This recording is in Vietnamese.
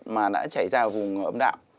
mà đã chảy ra vùng âm đạo